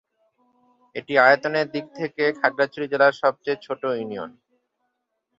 এটি আয়তনের দিক থেকে খাগড়াছড়ি জেলার সবচেয়ে ছোট ইউনিয়ন।